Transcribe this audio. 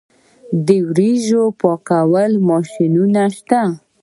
د وریجو پاکولو ماشینونه شته